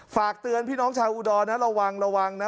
ฝากเตือนพี่น้องชาวอุดรนะระวังระวังนะ